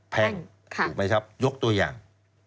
ภังทริปหมายฆัพยกตัวอย่าง